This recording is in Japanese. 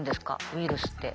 ウイルスって。